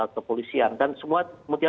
kepolisian dan semua